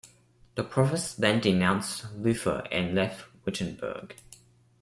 The Prophets then denounced Luther and left Wittenberg.